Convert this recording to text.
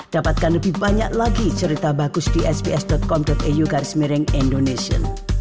dapatkan lebih banyak lagi cerita bagus di sps com eu garis miring indonesia